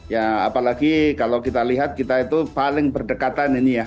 ya apalagi kalau kita lihat kita itu paling berdekatan ini ya